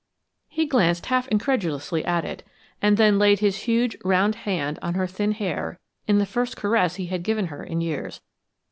He glanced half incredulously at it, and then laid his huge, rough hand on her thin hair in the first caress he had given her in years.